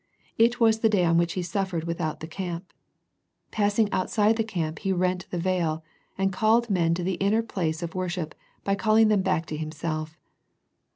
It was the day on which He suffered without the camp. Passing outside the camp He rent the veil, and called men to the inner place of worship by calling them back to Himself.